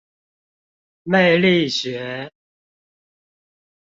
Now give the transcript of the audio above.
魅力學